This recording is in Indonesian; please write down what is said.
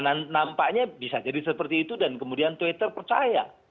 nah nampaknya bisa jadi seperti itu dan kemudian twitter percaya